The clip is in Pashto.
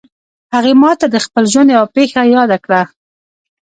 هغې ما ته د خپل ژوند یوه پېښه یاده کړه